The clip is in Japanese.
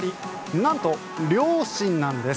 なんと、両親なんです。